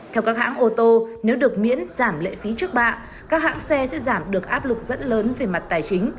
theo các hãng ô tô nếu được miễn giảm lệ phí trước bạ các hãng xe sẽ giảm được áp lực rất lớn về mặt tài chính